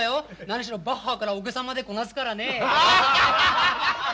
何しろバッハからおけさまでこなすからねえ。